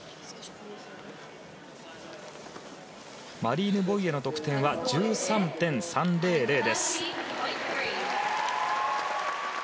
マリーヌ・ボイエの得点は１３．３００です。